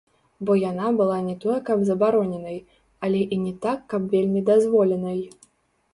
Бо яна была не тое каб забароненай, але і не так каб вельмі дазволенай.